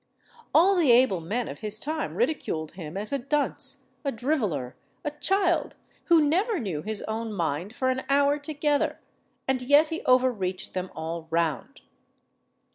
"All the able men of his time ridiculed him as a dunce, a driveller, a child, who never knew his own mind for an hour together, and yet he overreached them all round."